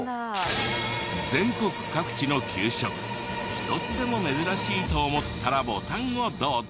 全国各地の給食１つでも珍しいと思ったらボタンをどうぞ。